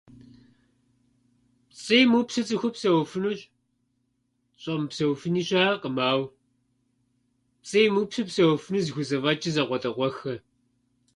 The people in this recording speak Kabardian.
Пцӏы имыупсу цӏыхур псэуфынущ, щӏэмыпсэуфыни щыӏэкъым, ауэ пцӏы имыупсу псэуфу зыхузэфӏэчӏыр закъуэтӏакъуэххэщ.